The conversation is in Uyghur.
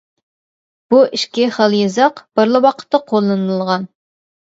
بۇ ئىككى خىل يېزىق بىرلا ۋاقىتتا قوللىنىلغان.